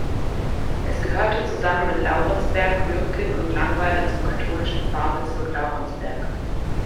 Es gehörte zusammen mit Laurenzberg, Lürken und Langweiler zum katholischen Pfarrbezirk Laurenzberg.